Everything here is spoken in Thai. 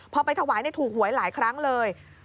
พอไปถวายถูกหวยหลายครั้งเลย